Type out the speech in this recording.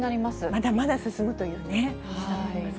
まだまだ進むというね。